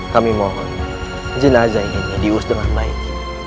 kami mohon jenazah ini diurus dengan baik